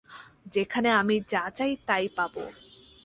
যেখানে আমি যা চাই তা-ই পাব।